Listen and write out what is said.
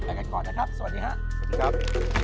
ไปกันก่อนนะครับสวัสดีครับสวัสดีครับ